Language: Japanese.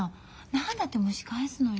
何だってむし返すのよ？